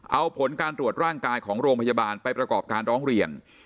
เอาผลการตรวจร่างกายของโรงพยาบาลไปประกอบการร้องเรียน